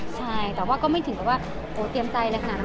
ใช่แต่ว่าก็ไม่ถึงว่าเตรียมใจเลยขนาดนั้น